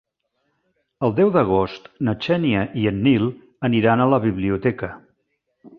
El deu d'agost na Xènia i en Nil aniran a la biblioteca.